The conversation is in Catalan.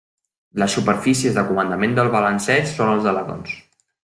Les superfícies de comandament del balanceig són els alerons.